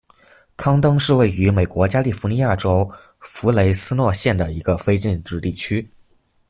康登是位于美国加利福尼亚州弗雷斯诺县的一个非建制地区。